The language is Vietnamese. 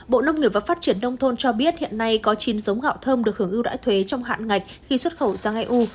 bộ nông nghiệp và phát triển đông thôn cho biết hiện nay có chín giống gạo thơm được hưởng ưu đãi thuế trong hạn ngạch khi xuất khẩu sang eu